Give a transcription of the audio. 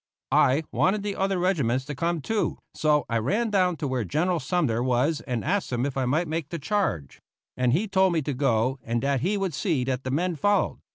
I wanted the other regiments to come too, so I ran down to where General Sumner was and asked him if I might make the charge; and he told me to go and that he would see that the men followed.